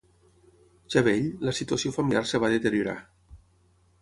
Ja vell, la situació familiar es va deteriorar.